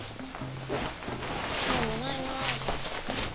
興味ないな私。